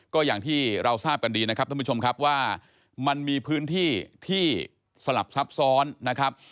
ก็อย่างที่เราทราบกันดีนะครับท่านผู้ชมครับว่ามันมีพื้นที่ที่สลับซับซ้อนนะครับ